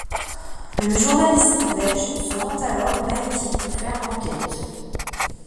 Le journaliste belge se rend alors en Haïti pour faire enquête.